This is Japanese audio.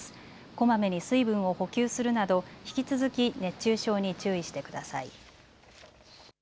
こまめに水分を補給するなど引き続き熱中症に注意してください。